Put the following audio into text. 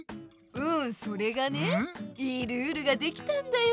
うんそれがねいいルールができたんだよ。